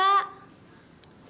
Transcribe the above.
dewi gak tau